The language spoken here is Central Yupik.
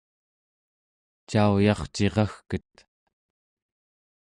cauyarciragket